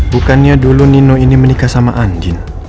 bukannya dulu nino ini menikah sama andin